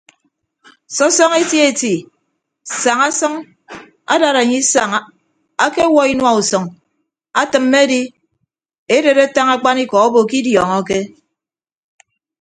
Sọsọñọ eti eti saña sʌñ adad anye isañ akewuo inua usʌñ atịmme edi edet atañ akpanikọ obo ke idiọñọke.